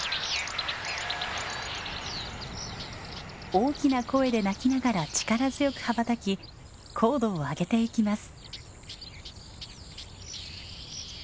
大きな声で鳴きながら力強く羽ばたき高度を上げてゆきます。